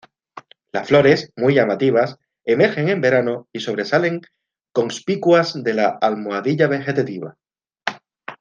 Las flores, muy llamativas, emergen en verano y sobresalen conspicuas de la almohadilla vegetativa.